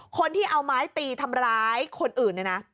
คนที่เอาไม้ตีทำร้ายคนอื่นเนี่ยนะ